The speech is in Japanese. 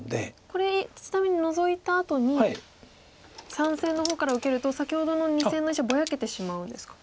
これちなみにノゾいたあとに３線の方から受けると先ほどの２線の石はぼやけてしまうんですか。